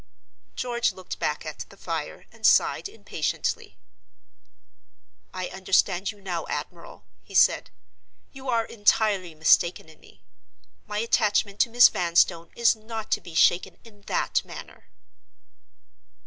George looked back at the fire, and sighed impatiently. "I understand you now, admiral," he said. "You are entirely mistaken in me. My attachment to Miss Vanstone is not to be shaken in that manner."